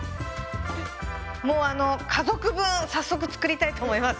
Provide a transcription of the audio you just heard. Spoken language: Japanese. もうあの家族分早速作りたいと思います。